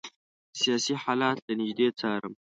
سیاسي حالات له نیژدې څارل.